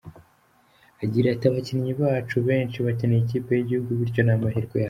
Agira ati: “Abakinnyi bacu benshi bakinira ikipe y’igihugu bityo ni amahirwe yacu.